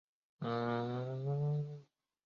拟螺距翠雀花为毛茛科翠雀属下的一个种。